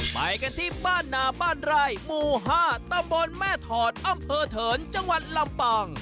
ไปกันที่บ้านนาบ้านไร่หมู่๕ตำบลแม่ถอดอำเภอเถินจังหวัดลำปาง